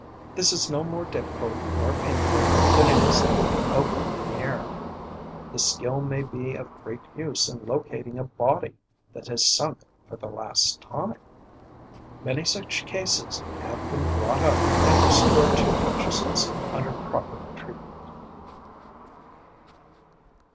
This is no more difficult nor painful than it is to keep them open in the air. This skill may be of great use in locating a body that has sunk for the last time. Many such cases have been brought up and restored to consciousness, under proper treatment.